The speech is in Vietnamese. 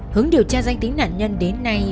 hướng điều tra danh tính nạn nhân đến nay